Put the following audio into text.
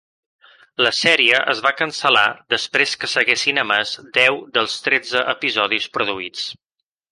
La sèrie es va cancel·lar després que s'haguessin emès deu dels tretze episodis produïts.